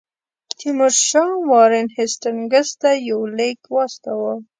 تیمورشاه وارن هیسټینګز ته یو لیک واستاوه.